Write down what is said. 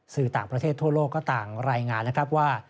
สื่อต่างประเทศทั่วโลกก็ต่างรายงานนะครับว่า